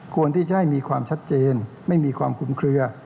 ควรที่จะให้มีความชัดเจนไม่มีความคุ้มเคลือ